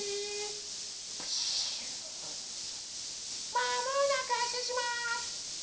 まもなくはっしゃします。